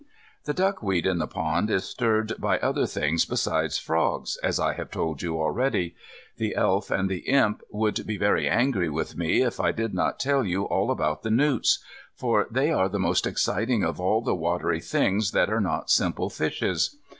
The duckweed in the pond is stirred by other things besides frogs, as I have told you already. The Elf and the Imp would be very angry with me, if I did not tell you all about the newts. For they are the most exciting of all the watery things that are not simple fishes.